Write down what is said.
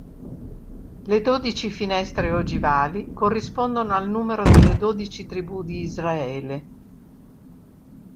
Le dodici finestre ogivali corrispondono al numero delle dodici tribù di Israele.